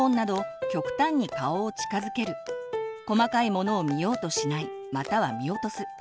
細かいものを見ようとしないまたは見落とす。